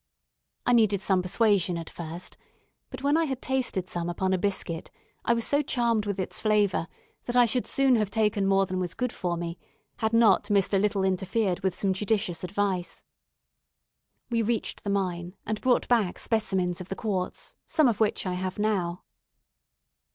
I needed some persuasion at first; but when I had tasted some upon a biscuit, I was so charmed with its flavour that I should soon have taken more than was good for me had not Mr. Little interfered with some judicious advice. We reached the mine, and brought back specimens of the quartz, some of which I have now.